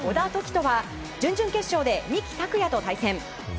人は準々決勝で三木拓也と対戦。